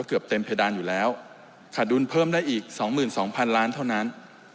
เกือบเต็มเพดานอยู่แล้วขาดดุลเพิ่มได้อีก๒๒๐๐๐ล้านเท่านั้น